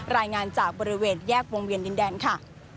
รายงานจากบริเวณแยกวงเวียนดินแดนค่ะ